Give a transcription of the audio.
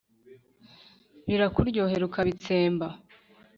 Birakuryohera ukabitsemba,